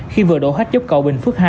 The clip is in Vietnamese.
khi vừa đổ hết dốc cộ bình phước hai